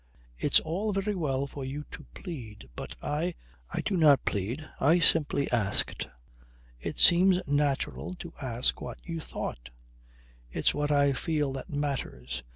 "It's all very well for you to plead, but I " "I do not plead. I simply asked. It seemed natural to ask what you thought." "It's what I feel that matters.